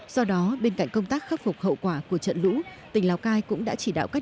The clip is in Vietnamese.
do đó bên cạnh công tác khắc phục hậu quả của trận lũ tỉnh lào cai cũng đã chỉ đạo các